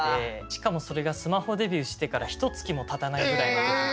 しかもそれがスマホデビューしてからひとつきもたたないぐらいの時で。